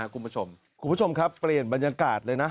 คุณผู้ชมครับเปลี่ยนบรรยากาศเลยนะ